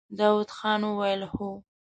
داوود خان وويل: هو!